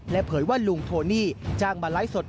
และเผยว่าลุงโทนี่จ้างมาไร้สด